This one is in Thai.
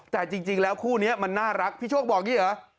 แต่จริงแล้วคู่นี้มันน่ารักพี่โชคบอกอย่างนี้เหรอ